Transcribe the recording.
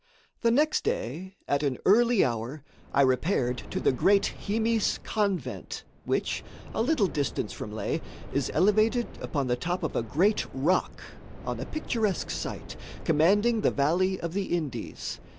The next day, at an early hour, I repaired to the great Himis convent, which, a little distance from Leh, is elevated upon the top of a great rock, on a picturesque site, commanding the valley of the Indies.